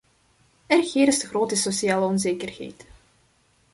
Er heerst grote sociale onzekerheid.